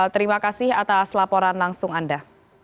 terima kasih atas laporan langsung anda